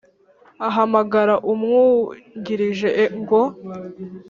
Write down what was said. ahamagara umwungirije ngo